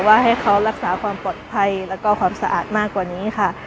ว่าให้เขารักษาความปลอดภัยแล้วก็ความสะอาดมากกว่านี้ค่ะ